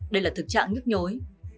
đây là thực trạng nhức nhối